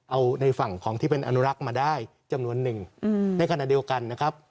เอาในฝั่งของที่เป็นอนุรักษ์มาได้จำนวน๑ในการณ์เดียวกัน